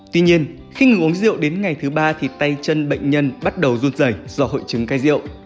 tuy nhiên khi ngừng uống rượu đến ngày thứ ba thì tay chân bệnh nhân bắt đầu run dẩy do hội chứng cai rượu